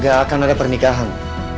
gak akan ada pernikahan